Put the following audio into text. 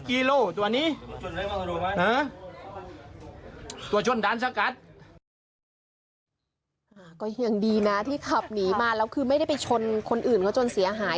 ก็ยังดีนะที่ขับหนีมาแล้วคือไม่ได้ไปชนคนอื่นเขาจนเสียหาย